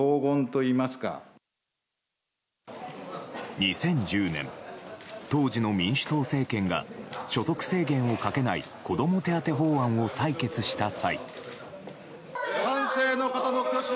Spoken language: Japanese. ２０１０年当時の民主党政権が所得制限をかけない子ども手当法案を採決した際。